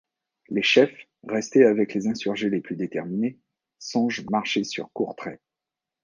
Les chefs, restés avec les insurgés les plus déterminés, songent marcher sur Courtrai.